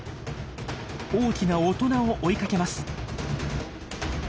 大きな大人を追いかけます。